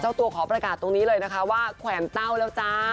ตัวขอประกาศตรงนี้เลยนะคะว่าแขวนเต้าแล้วจ้า